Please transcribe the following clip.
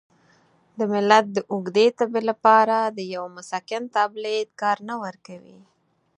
د ملت د اوږدې تبې لپاره د یوه مسکن تابلیت کار نه ورکوي.